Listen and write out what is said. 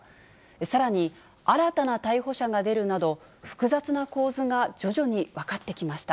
さらに、新たな逮捕者が出るなど、複雑な構図が徐々に分かってきました。